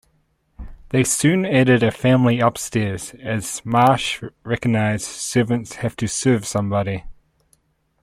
They soon added a family upstairs, as Marsh recognised "Servants have to serve somebody".